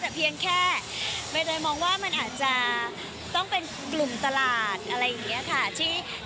แต่เพียงแค่ใบเตยมองว่ามันอาจจะต้องเป็นกลุ่มตลาดอะไรอย่างนี้ค่ะ